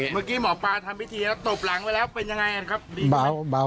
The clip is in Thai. เมื่อกี้หมอปลาทำพิธีแล้วตบหลังไว้แล้วเป็นยังไงกันครับ